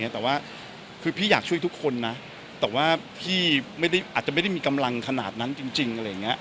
แต่ว่าพี่อยากช่วยทุกคนนะแต่ว่าพี่อาจจะไม่ได้มีกำลังขนาดนั้นจริง